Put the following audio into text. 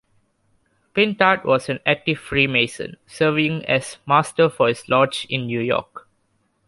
Pintard was an active Freemason, serving as Master for his Lodge in New York.